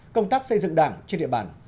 công tác xây dựng đảng trên địa bàn